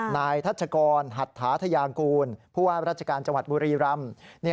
ไหนธัชกรหัตถาทญผู้หว่าราชการจบุรีรัมพ์